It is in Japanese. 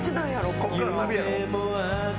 ここからサビやろ？